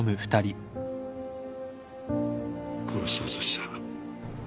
殺そうとした。